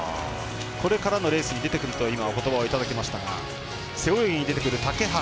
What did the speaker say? これからのレースに出てくるということばをいただきましたが背泳ぎに出てくる竹原。